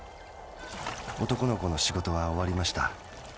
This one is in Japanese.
男の子の仕事はおわりました。